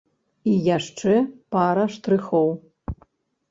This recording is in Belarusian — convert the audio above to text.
І яшчэ пара штрыхоў.